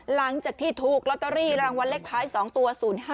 หลังจากที่ถูกลอตเตอรี่รางวัลเลขท้าย๒ตัว๐๕